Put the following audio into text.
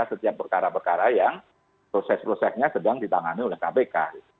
setiap perkara perkara yang proses prosesnya sedang ditangani oleh kpk